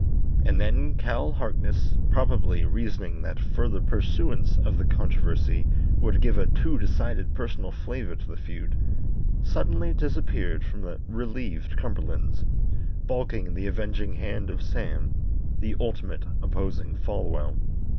And then Cal Harkness, probably reasoning that further pursuance of the controversy would give a too decided personal flavour to the feud, suddenly disappeared from the relieved Cumberlands, baulking the avenging hand of Sam, the ultimate opposing Folwell.